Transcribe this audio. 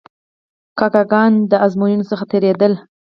کاکه ګان د آزموینو څخه تیرېدل.